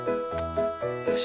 よし。